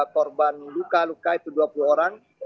korban luka luka itu dua puluh orang